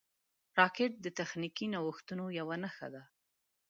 راکټ د تخنیکي نوښتونو یوه نښه ده